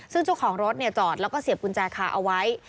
ซึ่งชุดของรถเนี่ยจอดแล้วก็เสียบกุญแจคาเอาไว้